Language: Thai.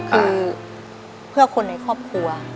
คือเพื่อคนในครอบครัว